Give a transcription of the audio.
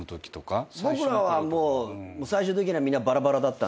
僕らはもう最終的にはみんなばらばらだったんで。